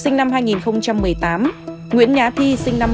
nguyễn nhã thi